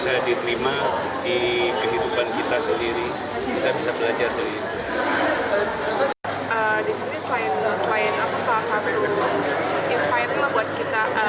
terus juga semoga sih ke depannya acaranya tetap ada ya